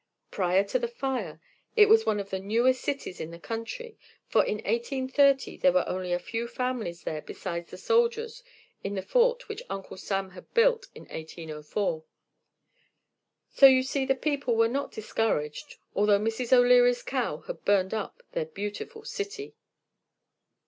Prior to the fire, it was one of the newest cities in the country, for in 1830 there were only a few families there besides the soldiers in the fort which Uncle Sam had built in 1804. So you see the people were not discouraged, although Mrs. O'Leary's cow had burned up their beautiful city.